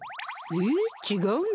えっ違うの？